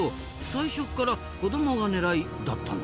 最初から子どもが狙いだったんですな。